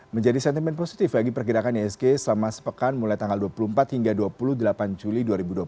menjadi sentimen positif bagi pergerakan isg selama sepekan mulai tanggal dua puluh empat hingga dua puluh delapan juli dua ribu dua puluh satu